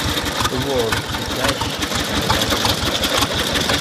The World, the Flesh and the Devil